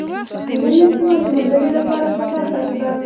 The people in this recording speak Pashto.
د نویو سیمو د موندنې لپاره سفر پیل کړ.